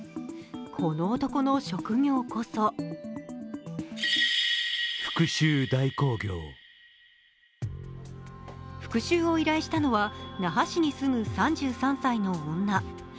この男の職業こそ復しゅうを依頼したのは那覇市に住む３３歳の女。